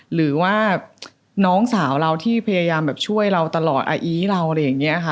หรือว่าน้องสาวเราที่พยายามแบบช่วยเราตลอดอาอีเราอะไรอย่างนี้ค่ะ